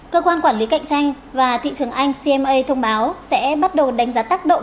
cơ quan quản lý cạnh tranh và thị trường anh cma thông báo sẽ bắt đầu đánh giá tác động